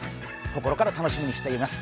心から楽しみにしています。